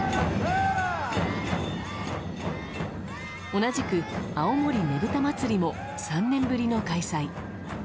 同じく、青森ねぶた祭も３年ぶりの開催。